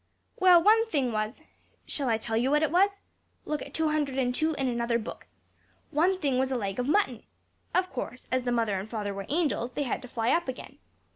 Well, one thing was shall I tell you what it was? Look at two hundred and two in another book one thing was a leg of mutton. Of course, as the mother and father were angels, they had to fly up again.